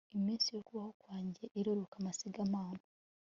iminsi y'ukubaho kwanjye iriruka amasigamana